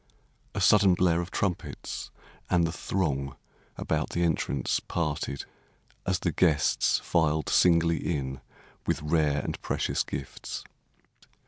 A sudden blare of trumpets, and the throng About the entrance parted as the guests Filed singly in with rare and precious gifts.